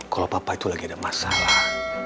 kalo papa itu lagi ada masalah